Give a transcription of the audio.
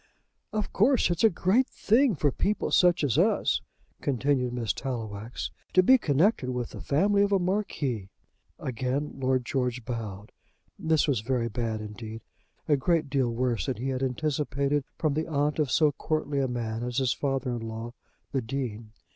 "Of course, it's a great thing for people such as us," continued Miss Tallowax, "to be connected with the family of a Marquis." Again Lord George bowed. This was very bad, indeed, a great deal worse than he had anticipated from the aunt of so courtly a man as his father in law, the Dean.